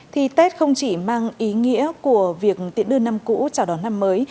thì tết không chỉ mang ý nghĩa của việc tiễn đưa năm cũ chào đón năm mới